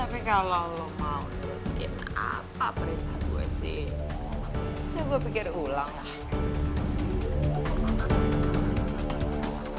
tapi kalo lo mau bikin apa perintah gue sih